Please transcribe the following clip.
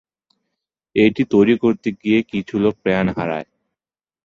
এটি তৈরি করতে গিয়ে কিছু লোক প্রাণ হারায়।